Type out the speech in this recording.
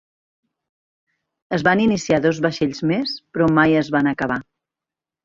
Es van iniciar dos vaixells més, però mai es van acabar.